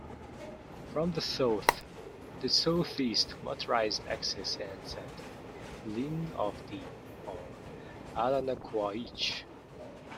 From the south, and south-east motorised access ends at "Linn of Dee", or Allanaquoich.